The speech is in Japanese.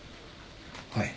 はい。